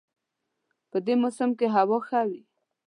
په دې موسم کې هوا ښه وي